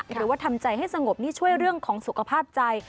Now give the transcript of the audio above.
หรือว่าทำใจให้สงบนี่ช่วยเรื่องของสุขภาพใจ